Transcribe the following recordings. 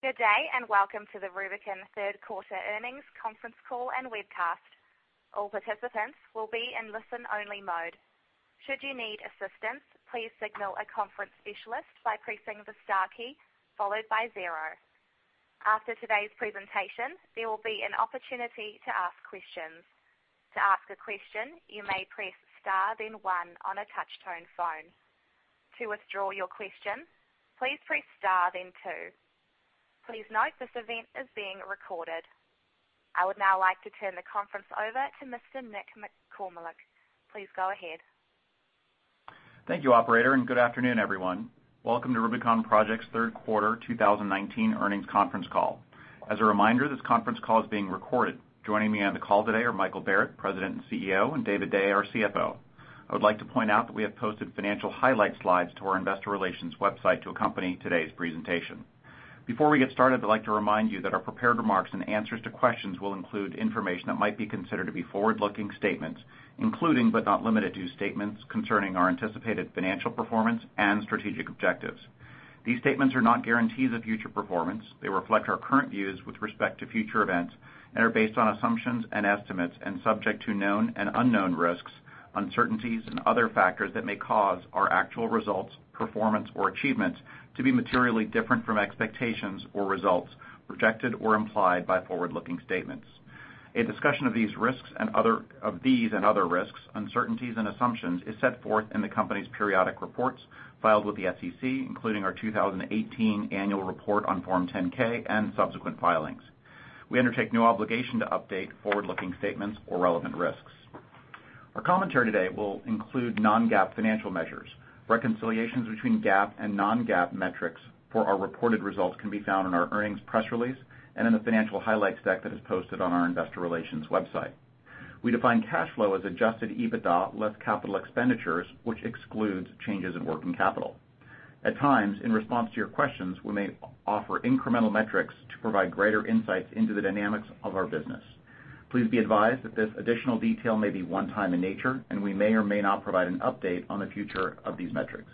Good day, and welcome to the Rubicon third quarter earnings conference call and webcast. All participants will be in listen only mode. Should you need assistance, please signal a conference specialist by pressing the star key followed by zero. After today's presentation, there will be an opportunity to ask questions. To ask a question, you may press star then one on a touch-tone phone. To withdraw your question, please press star then two. Please note this event is being recorded. I would now like to turn the conference over to Mr. Nick Kormeluk. Please go ahead. Thank you, Operator, and good afternoon, everyone. Welcome to Rubicon Project's third quarter 2019 earnings conference call. As a reminder, this conference call is being recorded. Joining me on the call today are Michael Barrett, President and CEO, and David Day, our CFO. I would like to point out that we have posted financial highlight slides to our investor relations website to accompany today's presentation. Before we get started, I'd like to remind you that our prepared remarks and answers to questions will include information that might be considered to be forward-looking statements, including but not limited to statements concerning our anticipated financial performance and strategic objectives. These statements are not guarantees of future performance. They reflect our current views with respect to future events, and are based on assumptions and estimates and subject to known and unknown risks, uncertainties, and other factors that may cause our actual results, performance, or achievements to be materially different from expectations or results projected or implied by forward-looking statements. A discussion of these risks and other risks, uncertainties and assumptions is set forth in the company's periodic reports filed with the SEC, including our 2018 annual report on Form 10-K and subsequent filings. We undertake no obligation to update forward-looking statements or relevant risks. Our commentary today will include non-GAAP financial measures. Reconciliations between GAAP and non-GAAP metrics for our reported results can be found in our earnings press release and in the financial highlights deck that is posted on our investor relations website. We define cash flow as Adjusted EBITDA less capital expenditures, which excludes changes in working capital. At times, in response to your questions, we may offer incremental metrics to provide greater insights into the dynamics of our business. Please be advised that this additional detail may be one time in nature, and we may or may not provide an update on the future of these metrics.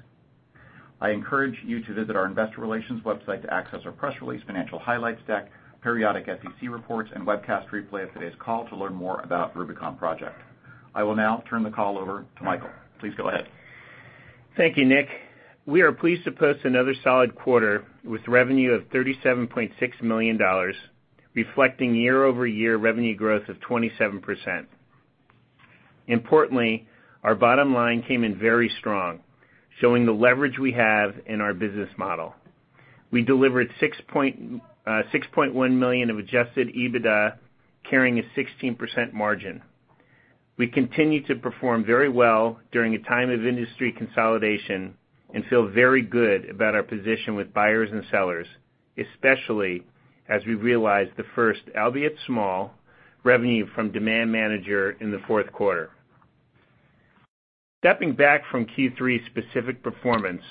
I encourage you to visit our investor relations website to access our press release, financial highlights deck, periodic SEC reports, and webcast replay of today's call to learn more about Rubicon Project. I will now turn the call over to Michael. Please go ahead. Thank you, Nick. We are pleased to post another solid quarter with revenue of $37.6 million, reflecting year-over-year revenue growth of 27%. Importantly, our bottom line came in very strong, showing the leverage we have in our business model. We delivered $6.1 million of Adjusted EBITDA carrying a 16% margin. We continue to perform very well during a time of industry consolidation and feel very good about our position with buyers and sellers, especially as we realize the first, albeit small, revenue from Demand Manager in the fourth quarter. Stepping back from Q3 specific performance,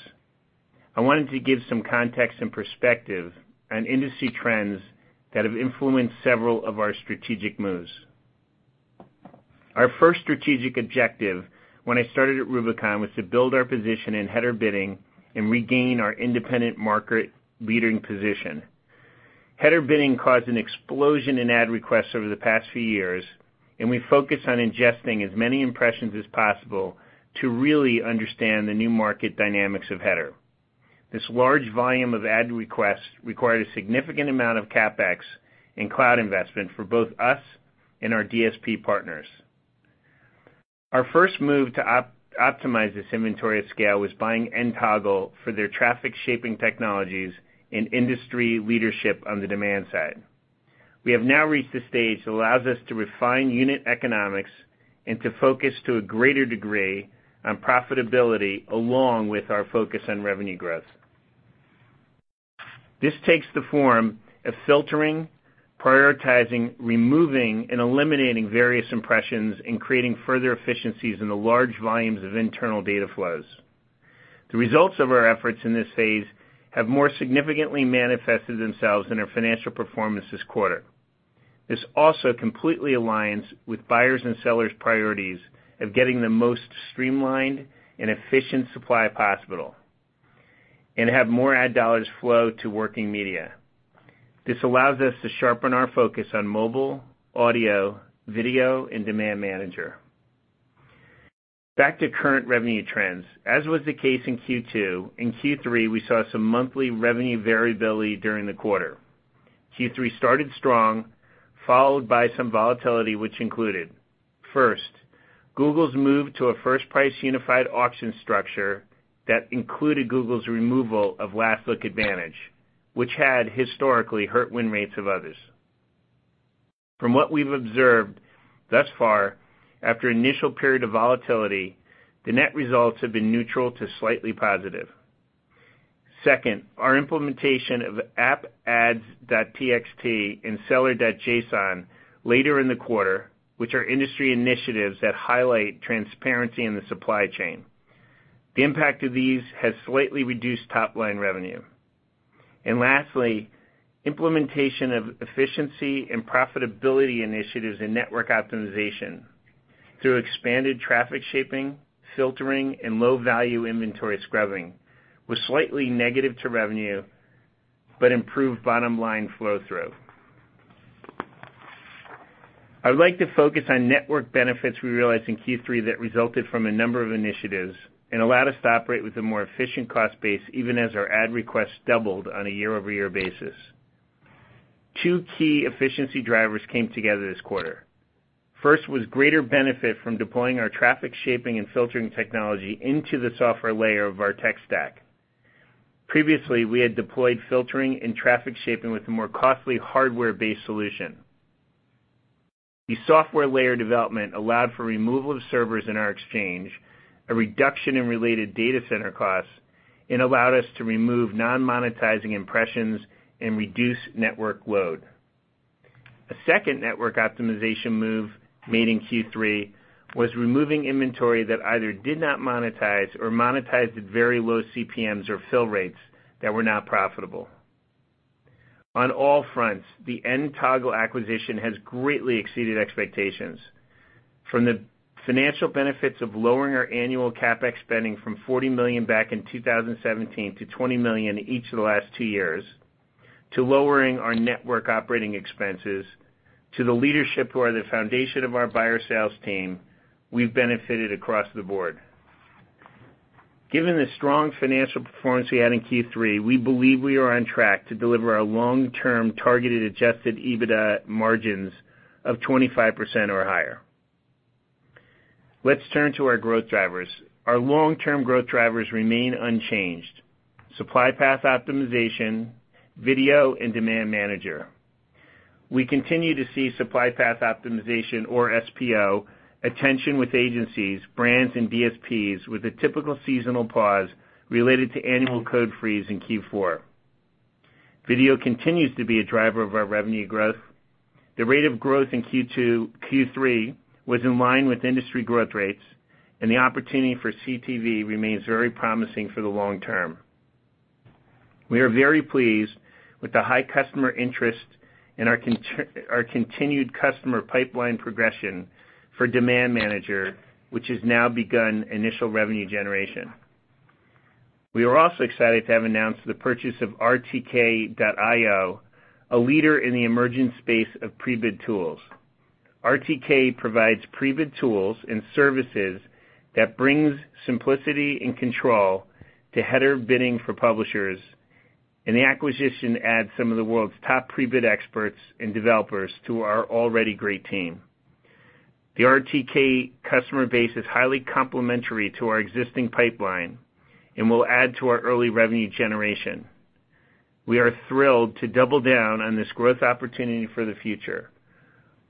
I wanted to give some context and perspective on industry trends that have influenced several of our strategic moves. Our first strategic objective when I started at Rubicon was to build our position in header bidding and regain our independent market leading position. Header bidding caused an explosion in ad requests over the past few years, and we focused on ingesting as many impressions as possible to really understand the new market dynamics of header. This large volume of ad requests required a significant amount of CapEx and cloud investment for both us and our DSP partners. Our first move to optimize this inventory at scale was buying nToggle for their traffic shaping technologies and industry leadership on the demand side. We have now reached the stage that allows us to refine unit economics and to focus to a greater degree on profitability, along with our focus on revenue growth. This takes the form of filtering, prioritizing, removing, and eliminating various impressions and creating further efficiencies in the large volumes of internal data flows. The results of our efforts in this phase have more significantly manifested themselves in our financial performance this quarter. This also completely aligns with buyers' and sellers' priorities of getting the most streamlined and efficient supply possible and have more ad dollars flow to working media. This allows us to sharpen our focus on mobile, audio, video, and Demand Manager. Back to current revenue trends. As was the case in Q2, in Q3, we saw some monthly revenue variability during the quarter. Q3 started strong, followed by some volatility, which included, first, Google's move to a first price unified auction structure that included Google's removal of last look advantage, which had historically hurt win rates of others. From what we've observed thus far, after an initial period of volatility, the net results have been neutral to slightly positive. Second, our implementation of app-ads.txt and sellers.json later in the quarter, which are industry initiatives that highlight transparency in the supply chain. The impact of these has slightly reduced top-line revenue. Lastly, implementation of efficiency and profitability initiatives in network optimization. Through expanded traffic shaping, filtering, and low-value inventory scrubbing was slightly negative to revenue, but improved bottom-line flow-through. I would like to focus on network benefits we realized in Q3 that resulted from a number of initiatives and allowed us to operate with a more efficient cost base, even as our ad requests doubled on a year-over-year basis. Two key efficiency drivers came together this quarter. First was greater benefit from deploying our traffic shaping and filtering technology into the software layer of our tech stack. Previously, we had deployed filtering and traffic shaping with a more costly hardware-based solution. The software layer development allowed for removal of servers in our exchange, a reduction in related data center costs, and allowed us to remove non-monetizing impressions and reduce network load. A second network optimization move made in Q3 was removing inventory that either did not monetize or monetized at very low CPMs or fill rates that were not profitable. On all fronts, the nToggle acquisition has greatly exceeded expectations. From the financial benefits of lowering our annual CapEx spending from $40 million back in 2017 to $20 million each of the last two years, to lowering our network operating expenses, to the leadership who are the foundation of our buyer sales team, we've benefited across the board. Given the strong financial performance we had in Q3, we believe we are on track to deliver our long-term targeted Adjusted EBITDA margins of 25% or higher. Let's turn to our growth drivers. Our long-term growth drivers remain unchanged. Supply Path Optimization, video, and Demand Manager. We continue to see Supply Path Optimization, or SPO, attention with agencies, brands, and DSPs with a typical seasonal pause related to annual code freeze in Q4. Video continues to be a driver of our revenue growth. The rate of growth in Q3 was in line with industry growth rates, and the opportunity for CTV remains very promising for the long term. We are very pleased with the high customer interest and our continued customer pipeline progression for Demand Manager, which has now begun initial revenue generation. We are also excited to have announced the purchase of RTK.io, a leader in the emerging space of pre-bid tools. RTK provides pre-bid tools and services that brings simplicity and control to header bidding for publishers, and the acquisition adds some of the world's top pre-bid experts and developers to our already great team. The RTK customer base is highly complementary to our existing pipeline and will add to our early revenue generation. We are thrilled to double down on this growth opportunity for the future.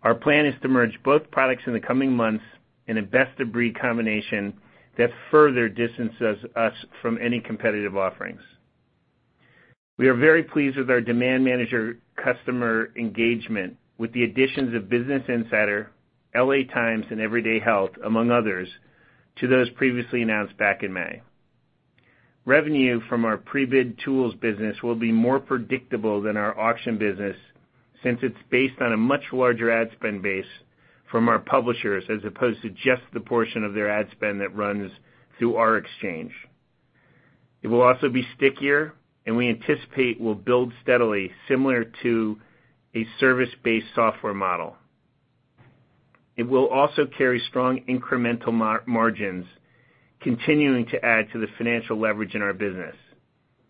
Our plan is to merge both products in the coming months in a best-of-breed combination that further distances us from any competitive offerings. We are very pleased with our Demand Manager customer engagement, with the additions of Business Insider, LA Times, and Everyday Health, among others, to those previously announced back in May. Revenue from our pre-bid tools business will be more predictable than our auction business since it's based on a much larger ad spend base from our publishers, as opposed to just the portion of their ad spend that runs through our exchange. It will also be stickier and we anticipate will build steadily, similar to a service-based software model. It will also carry strong incremental margins, continuing to add to the financial leverage in our business.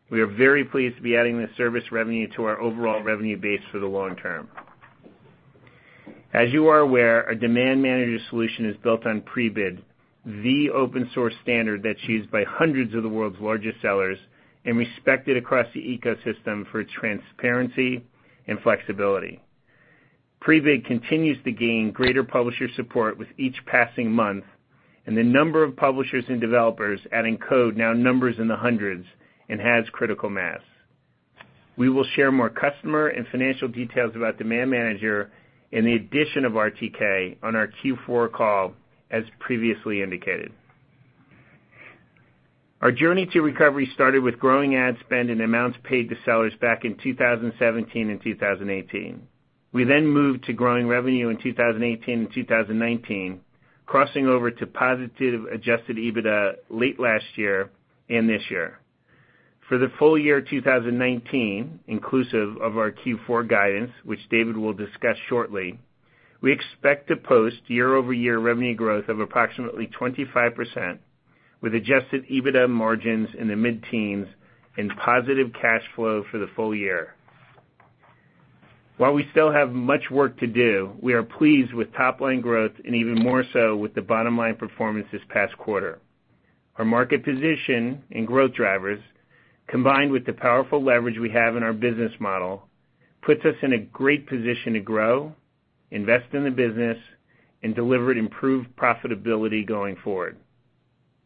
We are very pleased to be adding this service revenue to our overall revenue base for the long term. As you are aware, our Demand Manager solution is built on Prebid, the open-source standard that's used by hundreds of the world's largest sellers and respected across the ecosystem for its transparency and flexibility. Prebid continues to gain greater publisher support with each passing month, and the number of publishers and developers adding code now numbers in the hundreds and has critical mass. We will share more customer and financial details about Demand Manager and the addition of RTK on our Q4 call, as previously indicated. Our journey to recovery started with growing ad spend and amounts paid to sellers back in 2017 and 2018. We moved to growing revenue in 2018 and 2019, crossing over to positive Adjusted EBITDA late last year and this year. For the full year 2019, inclusive of our Q4 guidance, which David will discuss shortly, we expect to post year-over-year revenue growth of approximately 25% with Adjusted EBITDA margins in the mid-teens and positive cash flow for the full year. While we still have much work to do, we are pleased with top-line growth and even more so with the bottom-line performance this past quarter. Our market position and growth drivers, combined with the powerful leverage we have in our business model, puts us in a great position to grow, invest in the business, and deliver improved profitability going forward.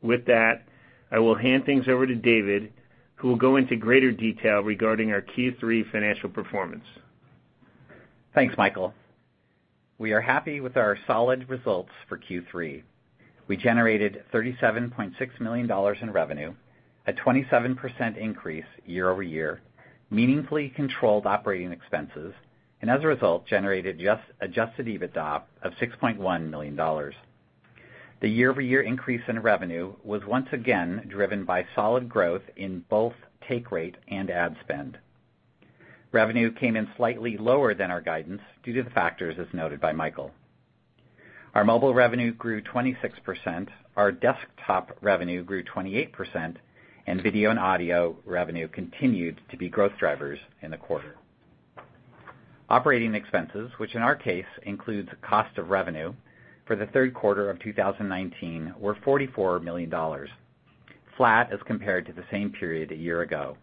With that, I will hand things over to David, who will go into greater detail regarding our Q3 financial performance. Thanks, Michael. We are happy with our solid results for Q3. We generated $37.6 million in revenue, a 27% increase year-over-year, meaningfully controlled operating expenses, and as a result, generated Adjusted EBITDA of $6.1 million. The year-over-year increase in revenue was once again driven by solid growth in both take rate and ad spend. Revenue came in slightly lower than our guidance due to the factors as noted by Michael. Our mobile revenue grew 26%, our desktop revenue grew 28%, and video and audio revenue continued to be growth drivers in the quarter. Operating expenses, which in our case includes cost of revenue for the third quarter of 2019, were $44 million, flat as compared to the same period a year ago.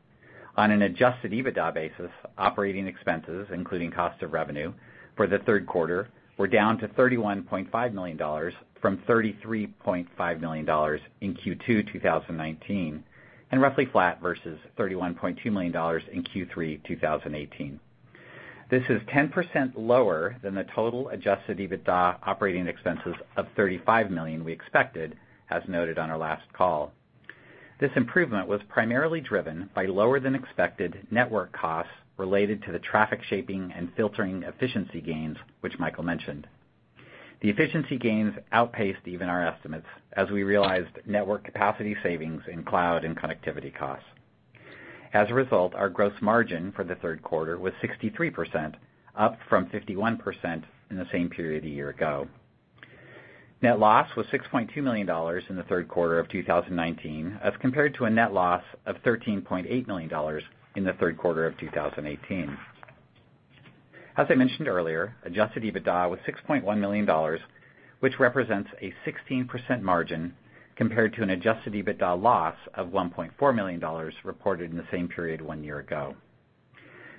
On an Adjusted EBITDA basis, operating expenses, including cost of revenue for the third quarter, were down to $31.5 million from $33.5 million in Q2 2019, and roughly flat versus $31.2 million in Q3 2018. This is 10% lower than the total Adjusted EBITDA operating expenses of $35 million we expected as noted on our last call. This improvement was primarily driven by lower than expected network costs related to the traffic shaping and filtering efficiency gains, which Michael mentioned. The efficiency gains outpaced even our estimates as we realized network capacity savings in cloud and connectivity costs. Our gross margin for the third quarter was 63%, up from 51% in the same period a year ago. Net loss was $6.2 million in the third quarter of 2019 as compared to a net loss of $13.8 million in the third quarter of 2018. As I mentioned earlier, Adjusted EBITDA was $6.1 million, which represents a 16% margin compared to an Adjusted EBITDA loss of $1.4 million reported in the same period one year ago.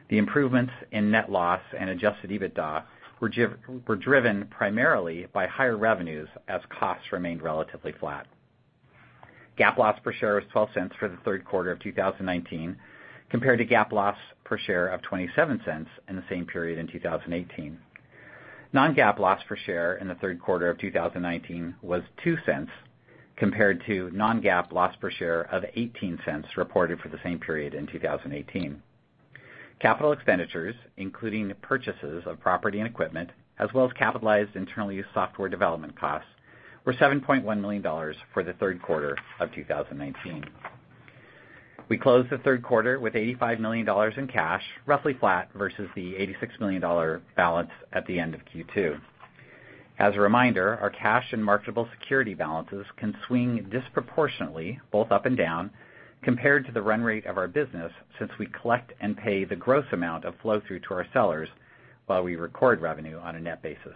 The improvements in net loss and Adjusted EBITDA were driven primarily by higher revenues as costs remained relatively flat. GAAP loss per share was $0.12 for the third quarter of 2019, compared to GAAP loss per share of $0.27 in the same period in 2018. Non-GAAP loss per share in the third quarter of 2019 was $0.02, compared to non-GAAP loss per share of $0.18 reported for the same period in 2018. Capital expenditures, including purchases of property and equipment, as well as capitalized internal use software development costs, were $7.1 million for the third quarter of 2019. We closed the third quarter with $85 million in cash, roughly flat versus the $86 million balance at the end of Q2. As a reminder, our cash and marketable security balances can swing disproportionately both up and down compared to the run rate of our business since we collect and pay the gross amount of flow-through to our sellers while we record revenue on a net basis.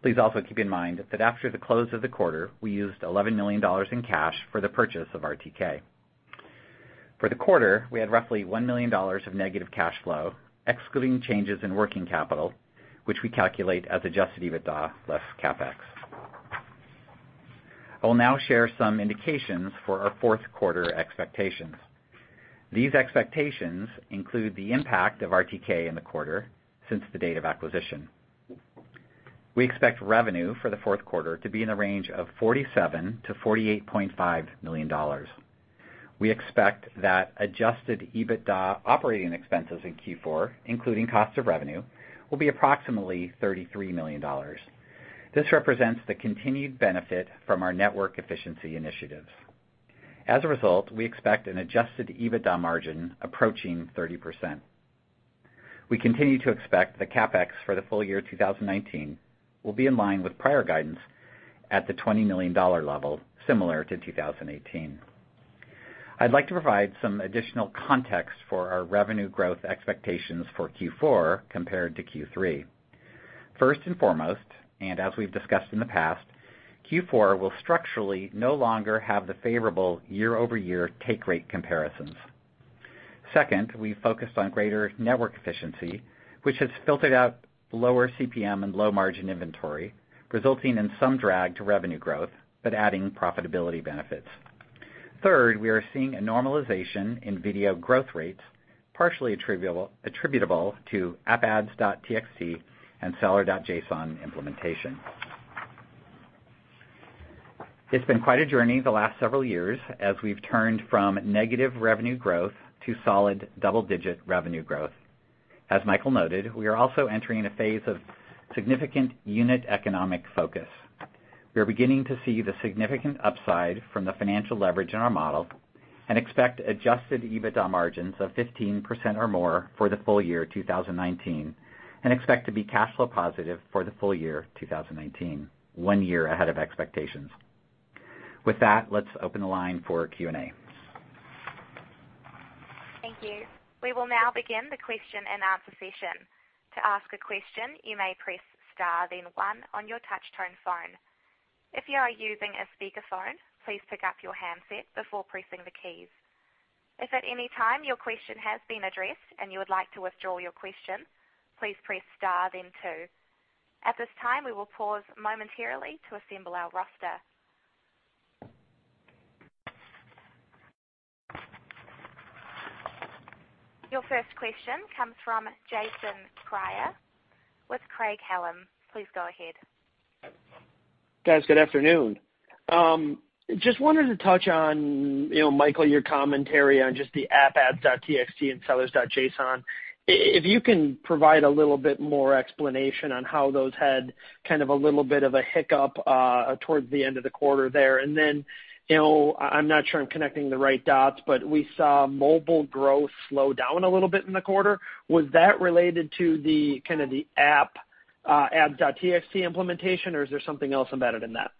Please also keep in mind that after the close of the quarter, we used $11 million in cash for the purchase of RTK. For the quarter, we had roughly $1 million of negative cash flow, excluding changes in working capital, which we calculate as Adjusted EBITDA less CapEx. I will now share some indications for our fourth quarter expectations. These expectations include the impact of RTK in the quarter since the date of acquisition. We expect revenue for the fourth quarter to be in the range of $47 million-$48.5 million. We expect that Adjusted EBITDA operating expenses in Q4, including cost of revenue, will be approximately $33 million. This represents the continued benefit from our network efficiency initiatives. As a result, we expect an Adjusted EBITDA margin approaching 30%. We continue to expect the CapEx for the full year 2019 will be in line with prior guidance at the $20 million level, similar to 2018. I'd like to provide some additional context for our revenue growth expectations for Q4 compared to Q3. First and foremost, and as we've discussed in the past, Q4 will structurally no longer have the favorable year-over-year take rate comparisons. Second, we focused on greater network efficiency, which has filtered out lower CPM and low-margin inventory, resulting in some drag to revenue growth, but adding profitability benefits. Third, we are seeing a normalization in video growth rates partially attributable to app-ads.txt and sellers.json implementation. It's been quite a journey the last several years as we've turned from negative revenue growth to solid double-digit revenue growth. As Michael noted, we are also entering a phase of significant unit economic focus. We are beginning to see the significant upside from the financial leverage in our model and expect Adjusted EBITDA margins of 15% or more for the full year 2019, and expect to be cash flow positive for the full year 2019, one year ahead of expectations. With that, let's open the line for Q&A. Thank you. We will now begin the question and answer session. To ask a question, you may press star then one on your touchtone phone. If you are using a speakerphone, please pick up your handset before pressing the keys. If at any time your question has been addressed and you would like to withdraw your question, please press star then two. At this time, we will pause momentarily to assemble our roster. Your first question comes from Jason Kreyer with Craig-Hallum. Please go ahead. Guys, good afternoon. Just wanted to touch on, Michael, your commentary on just the app-ads.txt and sellers.json. If you can provide a little bit more explanation on how those had kind of a little bit of a hiccup towards the end of the quarter there. I'm not sure I'm connecting the right dots, but we saw mobile growth slow down a little bit in the quarter. Was that related to the app-ads.txt implementation, or is there something else embedded in that?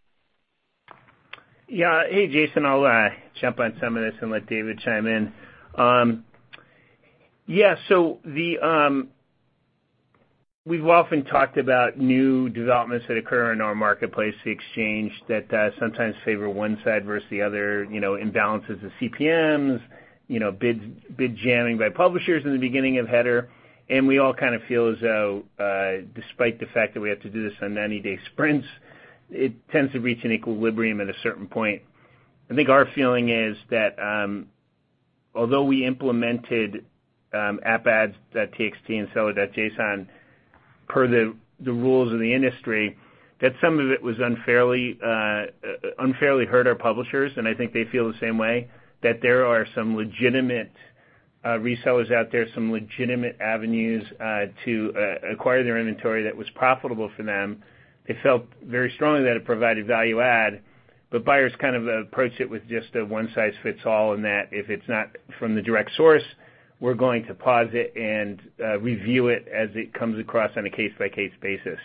Hey, Jason. I'll jump on some of this and let David chime in. We've often talked about new developments that occur in our marketplace exchange that sometimes favor one side versus the other, imbalances of CPMs, bid jamming by publishers in the beginning of header. We all kind of feel as though, despite the fact that we have to do this on 90-day sprints, it tends to reach an equilibrium at a certain point. I think our feeling is that, although we implemented app-ads.txt and sellers.json per the rules of the industry, that some of it unfairly hurt our publishers, and I think they feel the same way, that there are some legitimate resellers out there, some legitimate avenues to acquire their inventory that was profitable for them. They felt very strongly that it provided value add, but buyers kind of approached it with just a one-size-fits-all, and that if it's not from the direct source, we're going to pause it and review it as it comes across on a case-by-case basis.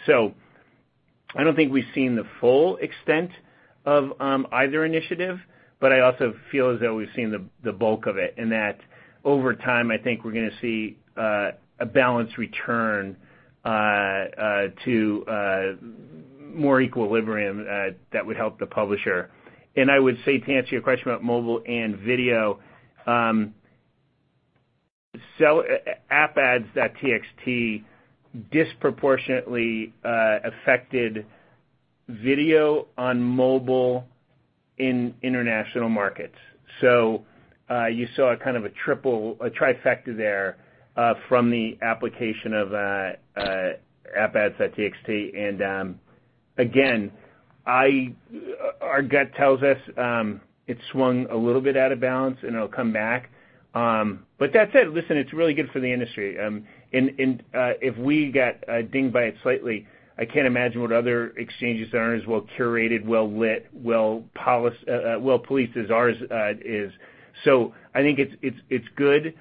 I don't think we've seen the full extent of either initiative, but I also feel as though we've seen the bulk of it, and that over time, I think we're going to see a balanced return to more equilibrium that would help the publisher. I would say to answer your question about mobile and video, app-ads.txt disproportionately affected video on mobile in international markets. You saw a kind of a trifecta there from the application of app-ads.txt. Again, our gut tells us it swung a little bit out of balance, and it'll come back. That said, listen, it's really good for the industry. If we got dinged by it slightly, I can't imagine what other exchanges that aren't as well curated, well lit, well policed as ours is. I think it's good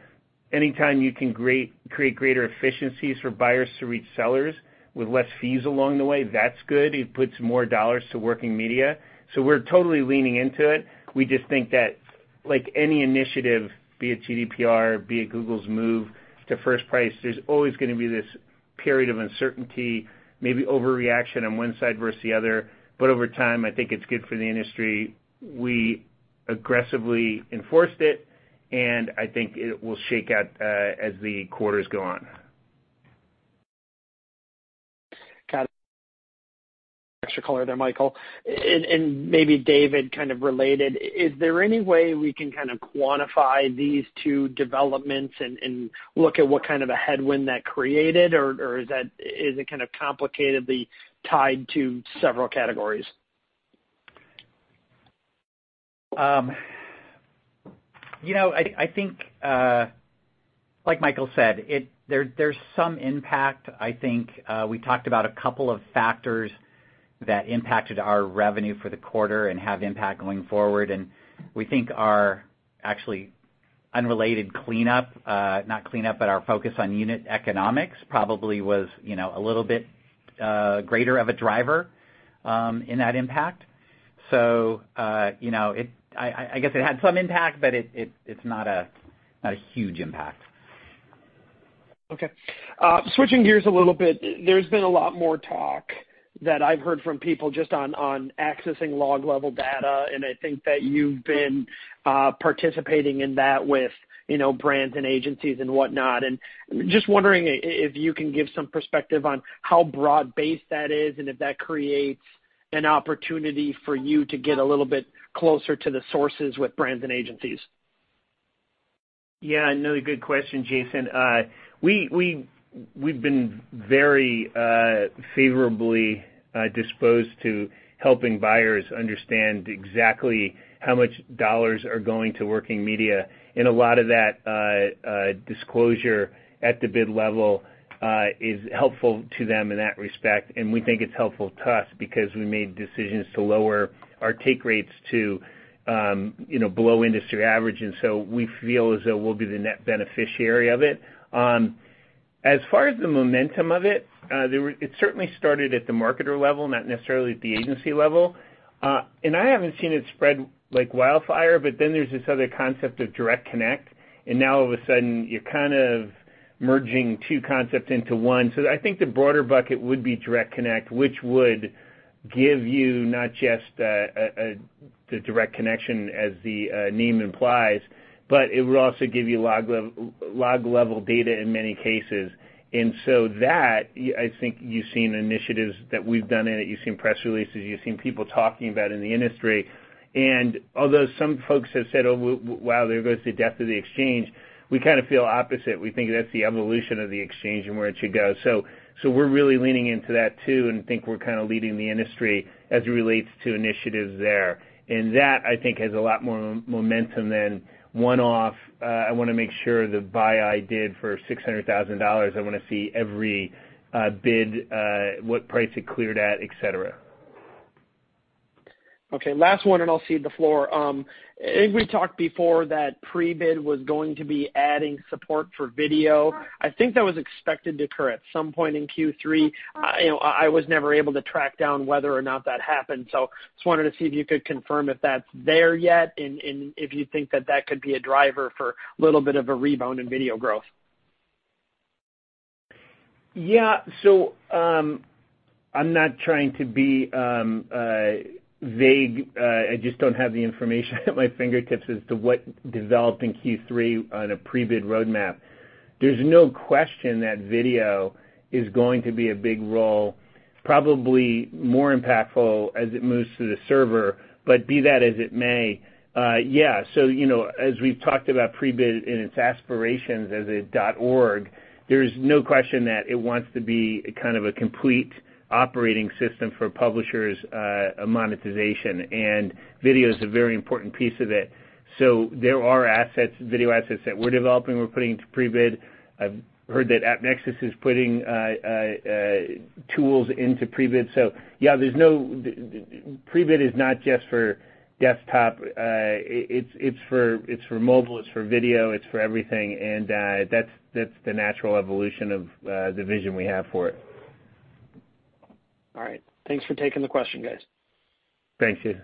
anytime you can create greater efficiencies for buyers to reach sellers with less fees along the way. That's good. It puts more dollars to working media. We're totally leaning into it. We just think that, like any initiative, be it GDPR, be it Google's move to first price, there's always going to be this period of uncertainty, maybe overreaction on one side versus the other. Over time, I think it's good for the industry. We aggressively enforced it, and I think it will shake out as the quarters go on. Got extra color there, Michael. Maybe David kind of related, is there any way we can kind of quantify these two developments and look at what kind of a headwind that created, or is it kind of complicatedly tied to several categories? I think, like Michael said, there's some impact. I think we talked about a couple of factors that impacted our revenue for the quarter and have impact going forward. We think our actually unrelated cleanup, not cleanup, but our focus on unit economics probably was a little bit greater of a driver in that impact. I guess it had some impact, but it's not a huge impact. Switching gears a little bit, there's been a lot more talk that I've heard from people just on accessing log-level data, and I think that you've been participating in that with brands and agencies and whatnot. Just wondering if you can give some perspective on how broad-based that is and if that creates an opportunity for you to get a little bit closer to the sources with brands and agencies. Another good question, Jason. We've been very favorably disposed to helping buyers understand exactly how much dollars are going to working media. A lot of that disclosure at the bid level is helpful to them in that respect. We think it's helpful to us because we made decisions to lower our take rates to below industry average, we feel as though we'll be the net beneficiary of it. As far as the momentum of it certainly started at the marketer level, not necessarily at the agency level. I haven't seen it spread like wildfire, there's this other concept of direct connect, all of a sudden you're kind of merging two concepts into one. I think the broader bucket would be direct connect, which would give you not just the direct connection as the name implies, but it will also give you log-level data in many cases. That, I think you've seen initiatives that we've done in it. You've seen press releases, you've seen people talking about in the industry. Although some folks have said, "Oh, wow, there goes the death of the exchange." We kind of feel opposite. We think that's the evolution of the exchange and where it should go. We're really leaning into that too, and think we're kind of leading the industry as it relates to initiatives there. That, I think, has a lot more momentum than one-off, I want to make sure the buy I did for $600,000, I want to see every bid, what price it cleared at, et cetera. Okay, last one and I'll cede the floor. We talked before that Prebid was going to be adding support for video. I think that was expected to occur at some point in Q3. I was never able to track down whether or not that happened. Just wanted to see if you could confirm if that's there yet, and if you think that that could be a driver for a little bit of a rebound in video growth. Yeah. I'm not trying to be vague. I just don't have the information at my fingertips as to what developed in Q3 on a Prebid roadmap. There's no question that video is going to be a big role, probably more impactful as it moves to the server. Be that as it may, yeah. As we've talked about Prebid in its aspirations as a .org, there's no question that it wants to be a complete operating system for publishers monetization, and video's a very important piece of it. There are video assets that we're developing, we're putting into Prebid. I've heard that AppNexus is putting tools into Prebid. Yeah, Prebid is not just for desktop. It's for mobile, it's for video, it's for everything, and that's the natural evolution of the vision we have for it. All right. Thanks for taking the question, guys. Thank you.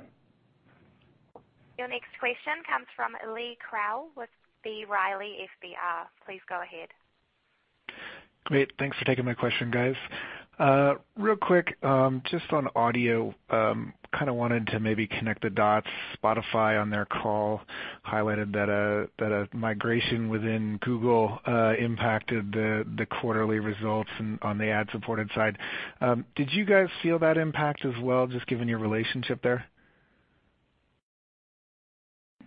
Your next question comes from Lee Krowl with B. Riley FBR. Please go ahead. Great. Thanks for taking my question, guys. Real quick, just on audio, kind of wanted to maybe connect the dots. Spotify on their call highlighted that a migration within Google impacted the quarterly results on the ad-supported side. Did you guys feel that impact as well, just given your relationship there?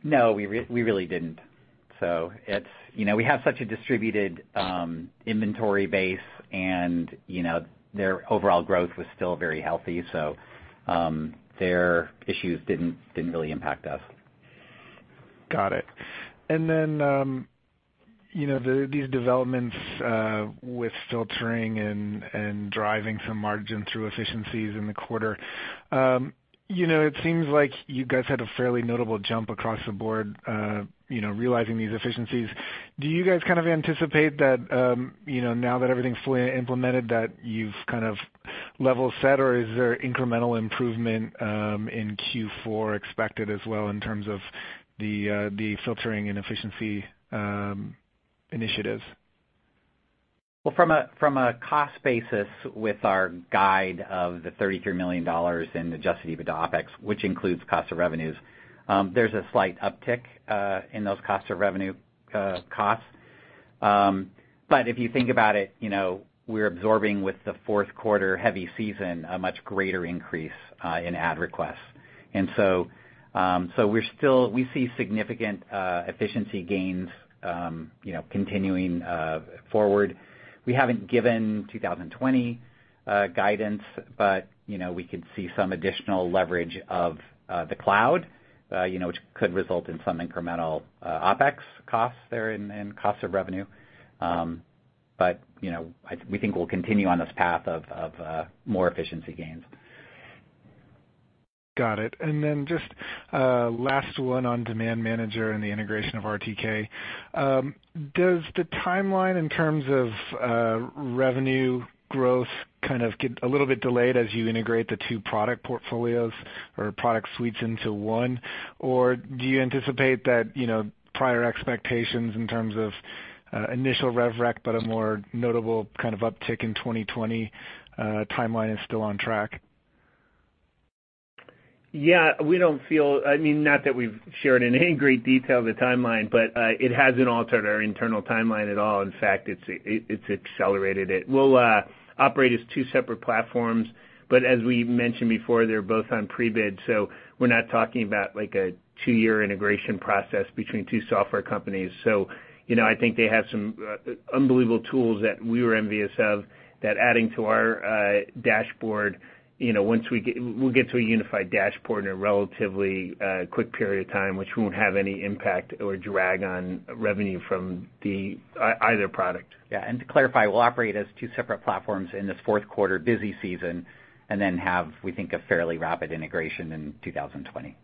No, we really didn't. We have such a distributed inventory base, and their overall growth was still very healthy. Their issues didn't really impact us. Got it. These developments with filtering and driving some margin through efficiencies in the quarter. It seems like you guys had a fairly notable jump across the board realizing these efficiencies. Do you guys kind of anticipate that now that everything's fully implemented, that you've kind of level set, or is there incremental improvement in Q4 expected as well in terms of the filtering and efficiency initiatives? Well, from a cost basis with our guide of the $33 million in Adjusted EBITDA OpEx, which includes cost of revenues, there's a slight uptick in those cost of revenue costs. If you think about it, we're absorbing with the fourth quarter heavy season, a much greater increase in ad requests. We see significant efficiency gains continuing forward. We haven't given 2020 guidance, but we could see some additional leverage of the cloud which could result in some incremental OpEx costs there and costs of revenue. We think we'll continue on this path of more efficiency gains. Got it. Then just last one on Demand Manager and the integration of RTK. Does the timeline in terms of revenue growth kind of get a little bit delayed as you integrate the two product portfolios or product suites into one? Do you anticipate that prior expectations in terms of initial rev rec, but a more notable kind of uptick in 2020 timeline is still on track? Yeah, not that we've shared in any great detail the timeline, but it hasn't altered our internal timeline at all. In fact, it's accelerated it. We'll operate as two separate platforms, but as we mentioned before, they're both on Prebid, so we're not talking about a two-year integration process between two software companies. I think they have some unbelievable tools that we were envious of, that adding to our dashboard. We'll get to a unified dashboard in a relatively quick period of time, which won't have any impact or drag on revenue from either product. Yeah. To clarify, we'll operate as two separate platforms in this fourth quarter busy season, and then have, we think, a fairly rapid integration in 2020.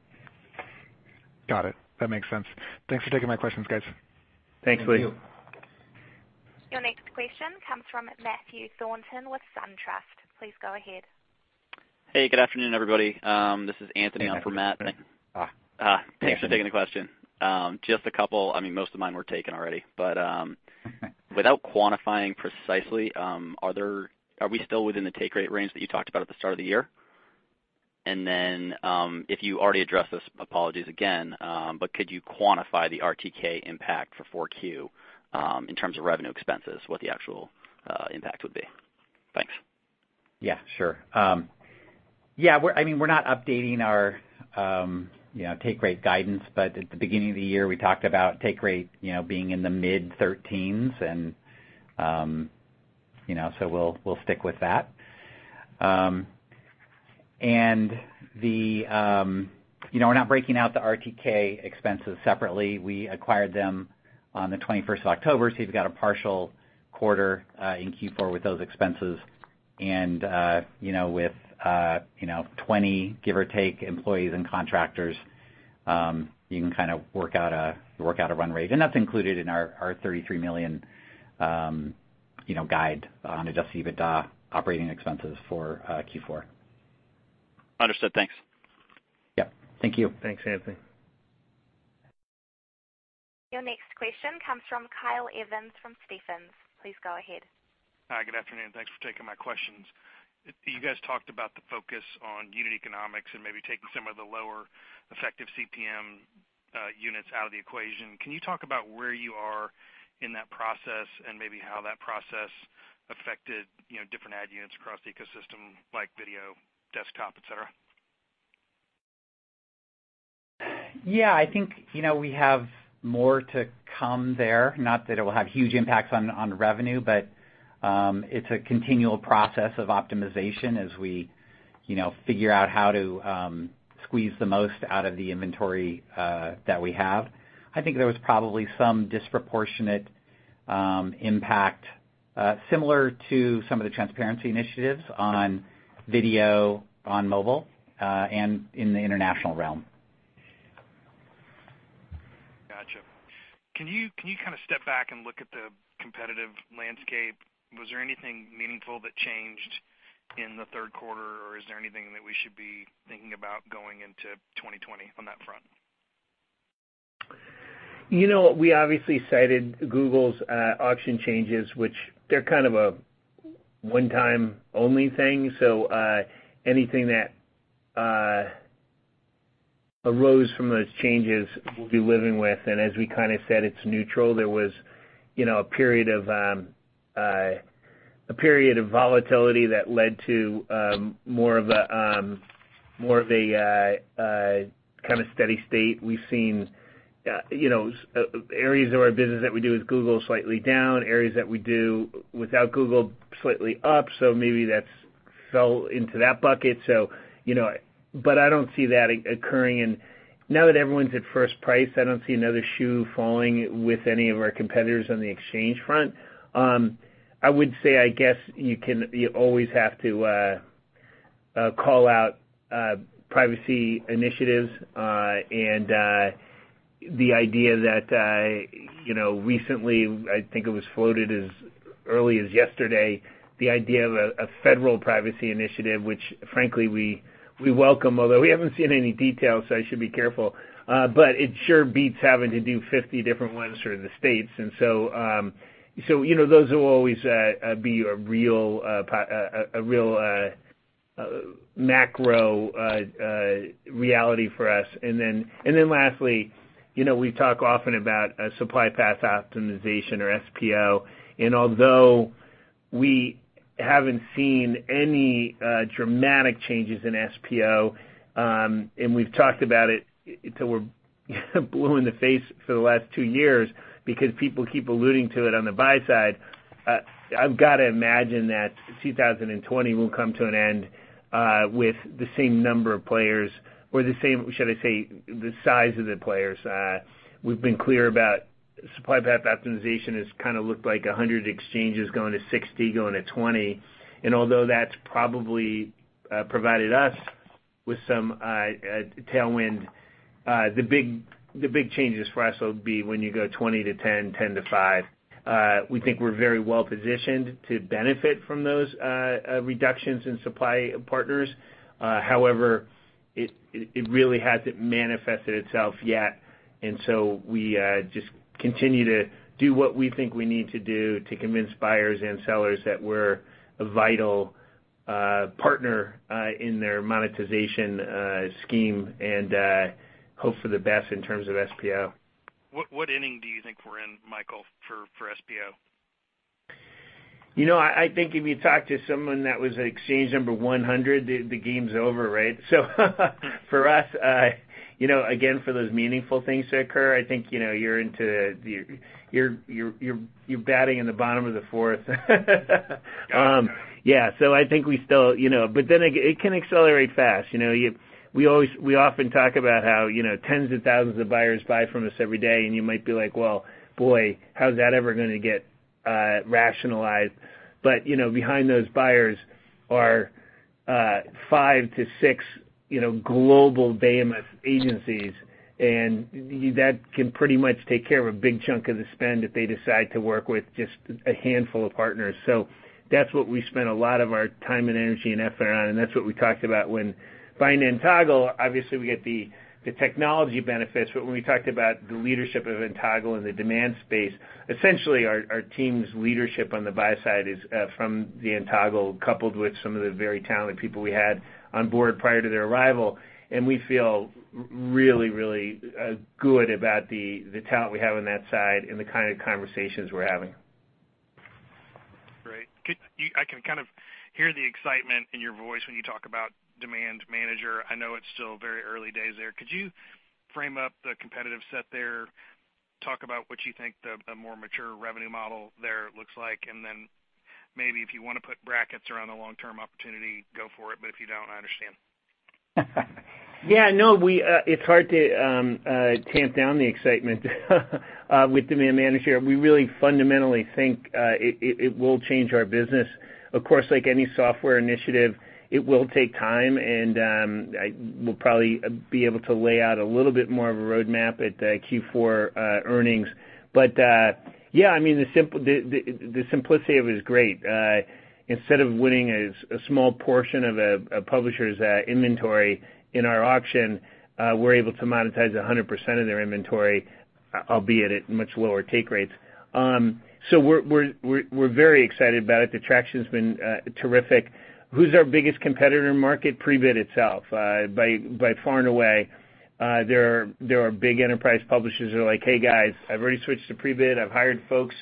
Got it. That makes sense. Thanks for taking my questions, guys. Thanks, Lee. Thank you. Your next question comes from Matthew Thornton with SunTrust. Please go ahead. Hey, good afternoon, everybody. This is Anthony on for Matt. Thanks for taking the question. Just a couple. Most of mine were taken already, but without quantifying precisely, are we still within the take rate range that you talked about at the start of the year? If you already addressed this, apologies again, but could you quantify the RTK impact for 4Q in terms of revenue expenses, what the actual impact would be? Thanks. Yeah, sure. We're not updating our take rate guidance, but at the beginning of the year, we talked about take rate being in the mid-thirteens, and so we'll stick with that. We're not breaking out the RTK expenses separately. We acquired them on the 21st of October, so you've got a partial quarter in Q4 with those expenses. With 20, give or take, employees and contractors, you can kind of work out a run rate. That's included in our $33 million guide on Adjusted EBITDA operating expenses for Q4. Understood. Thanks. Yeah. Thank you. Thanks, Anthony. Your next question comes from Kyle Evans from Stephens. Please go ahead. Hi, good afternoon. Thanks for taking my questions. You guys talked about the focus on unit economics and maybe taking some of the lower effective CPMs units out of the equation. Can you talk about where you are in that process and maybe how that process affected different ad units across the ecosystem, like video, desktop, et cetera? Yeah, I think we have more to come there. Not that it will have huge impacts on revenue, but it's a continual process of optimization as we figure out how to squeeze the most out of the inventory that we have. I think there was probably some disproportionate impact, similar to some of the transparency initiatives on video, on mobile, and in the international realm. Got you. Can you kind of step back and look at the competitive landscape? Was there anything meaningful that changed in the third quarter, or is there anything that we should be thinking about going into 2020 on that front? We obviously cited Google's auction changes, which they're kind of a one-time only thing. Anything that arose from those changes, we'll be living with. As we kind of said, it's neutral. There was a period of volatility that led to more of a kind of steady state. We've seen areas of our business that we do with Google slightly down, areas that we do without Google slightly up. Maybe that's fell into that bucket. I don't see that occurring. Now that everyone's at first price, I don't see another shoe falling with any of our competitors on the exchange front. I would say, I guess, you always have to call out privacy initiatives and the idea that recently, I think it was floated as early as yesterday, the idea of a federal privacy initiative, which frankly, we welcome. We haven't seen any details, so I should be careful. It sure beats having to do 50 different ones for the states. Those will always be a real macro reality for us. Lastly, we talk often about Supply Path Optimization or SPO. Although we haven't seen any dramatic changes in SPO, and we've talked about it till we're blue in the face for the last 2 years because people keep alluding to it on the buy side, I've got to imagine that 2020 will come to an end with the same number of players, or should I say, the size of the players. We've been clear about Supply Path Optimization has kind of looked like 100 exchanges going to 60, going to 20. Although that's probably provided us with some tailwind, the big changes for us will be when you go 20 to 10 to 5. We think we're very well-positioned to benefit from those reductions in supply partners. However, it really hasn't manifested itself yet. We just continue to do what we think we need to do to convince buyers and sellers that we're a vital partner in their monetization scheme and hope for the best in terms of SPO. What inning do you think we're in, Michael, for SPO? I think if you talk to someone that was at exchange number 100, the game's over, right? For us, again, for those meaningful things to occur, I think you're batting in the bottom of the fourth. Yeah. It can accelerate fast. We often talk about how tens of thousands of buyers buy from us every day, and you might be like, "Well, boy, how's that ever gonna get rationalized?" Behind those buyers are five to six global behemoth agencies, and that can pretty much take care of a big chunk of the spend if they decide to work with just a handful of partners. That's what we spend a lot of our time and energy and effort on, and that's what we talked about when buying nToggle, obviously, we get the technology benefits, but when we talked about the leadership of nToggle and the demand space, essentially our team's leadership on the buy side is from the nToggle, coupled with some of the very talented people we had on board prior to their arrival. We feel really, really good about the talent we have on that side and the kind of conversations we're having. I can kind of hear the excitement in your voice when you talk about Demand Manager. I know it's still very early days there. Could you frame up the competitive set there? Talk about what you think the more mature revenue model there looks like, and then maybe if you want to put brackets around the long-term opportunity, go for it, but if you don't, I understand. Yeah, no, it's hard to tamp down the excitement with Demand Manager. We really fundamentally think it will change our business. Of course, like any software initiative, it will take time, and we'll probably be able to lay out a little bit more of a roadmap at Q4 earnings. Yeah, the simplicity of it is great. Instead of winning a small portion of a publisher's inventory in our auction, we're able to monetize 100% of their inventory, albeit at much lower take rates. We're very excited about it. The traction's been terrific. Who's our biggest competitor in the market? Prebid itself, by far and away. There are big enterprise publishers that are like, "Hey, guys, I've already switched to Prebid. I've hired folks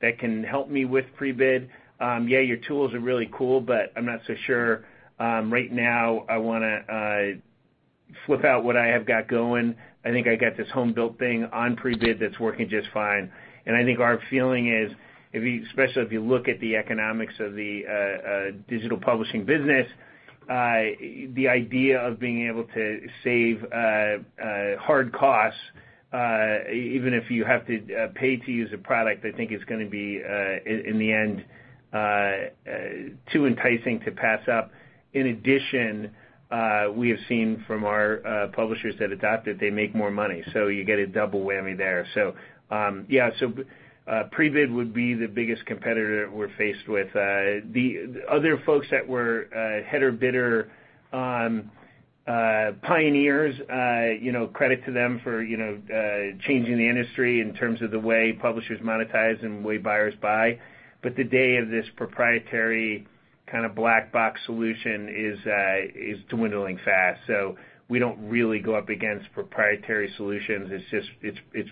that can help me with Prebid. Yeah, your tools are really cool, I'm not so sure right now I want to flip out what I have got going. I think I got this home-built thing on Prebid that's working just fine. I think our feeling is, especially if you look at the economics of the digital publishing business, the idea of being able to save hard costs, even if you have to pay to use a product, I think it's going to be, in the end, too enticing to pass up. In addition, we have seen from our publishers that adopt it, they make more money, so you get a double whammy there. Prebid would be the biggest competitor we're faced with. The other folks that were header bidder pioneers, credit to them for changing the industry in terms of the way publishers monetize and the way buyers buy. The day of this proprietary kind of black box solution is dwindling fast. We don't really go up against proprietary solutions. It's just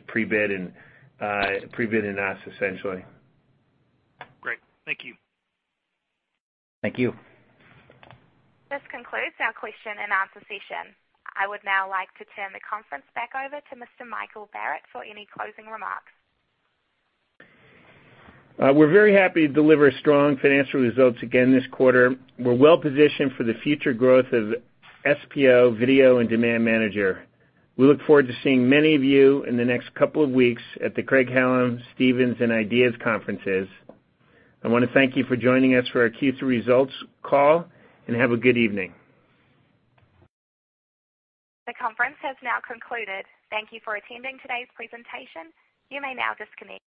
Prebid and us, essentially. Great. Thank you. Thank you. This concludes our question and answer session. I would now like to turn the conference back over to Mr. Michael Barrett for any closing remarks. We're very happy to deliver strong financial results again this quarter. We're well-positioned for the future growth of SPO, Video, and Demand Manager. We look forward to seeing many of you in the next couple of weeks at the Craig-Hallum, Stephens, and IDEAS conferences. I want to thank you for joining us for our Q3 results call, and have a good evening. The conference has now concluded. Thank you for attending today's presentation. You may now disconnect.